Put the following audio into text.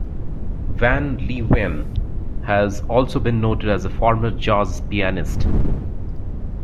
Van Leeuwen has also been noted as a former jazz pianist.